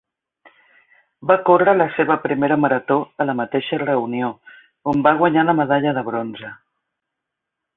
Va córrer la seva primera marató a la mateixa reunió, on va guanyar la medalla de bronze.